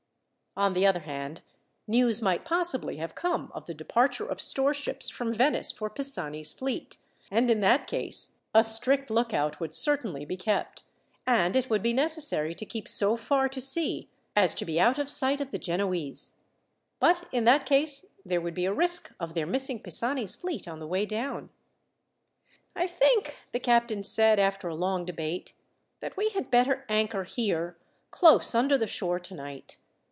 On the other hand, news might possibly have come of the departure of store ships from Venice for Pisani's fleet, and in that case a strict lookout would certainly be kept, and it would be necessary to keep so far to sea as to be out of sight of the Genoese; but in that case there would be a risk of their missing Pisani's fleet on the way down. "I think," the captain said, after a long debate, "that we had better anchor here close under the shore tonight.